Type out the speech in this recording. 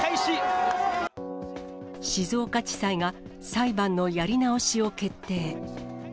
静岡地裁が裁判のやり直しを決定。